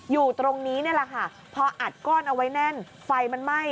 อยู่ตรงนี้นี่แหละค่ะพออัดก้อนเอาไว้แน่นไฟมันไหม้